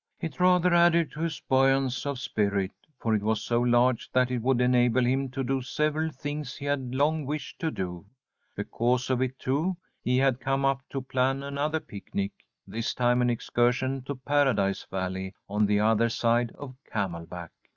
It rather added to his buoyance of spirit, for it was so large that it would enable him to do several things he had long wished to do. Because of it, too, he had come up to plan another picnic, this time an excursion to Paradise Valley on the other side of Camelback.